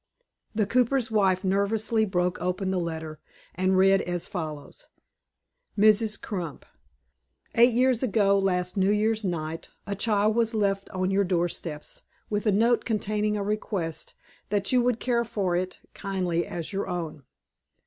The cooper's wife nervously broke open the letter, and read as follows: "MRS. CRUMP; "Eight years ago last New Year's night, a child was left on your door steps, with a note containing a request that you would care for it kindly as your own.